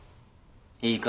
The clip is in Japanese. いいか？